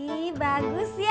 ih bagus ya